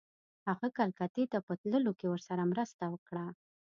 هغه کلکتې ته په تللو کې ورسره مرسته وکړه.